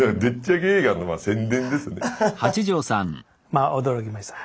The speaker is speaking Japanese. まあ驚きました。